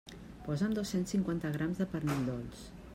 Posa'm dos-cents cinquanta grams de pernil dolç.